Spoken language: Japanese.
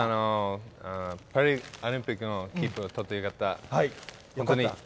パリオリンピックの切符を取ってよかった。